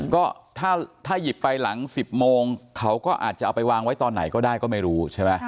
ก็ถ้าหยิบไปหลัง๑๐โมงเขาก็อาจจะเอาไปวางไว้ตอนไหนก็ได้ก็ไม่รู้ใช่ไหม